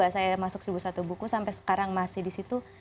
dua ribu dua saya masuk seribu satu buku sampai sekarang masih di situ